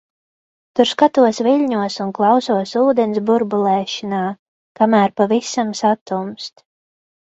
Tur skatos viļņos un klausos ūdens burbulēšanā, kamēr pavisam satumst.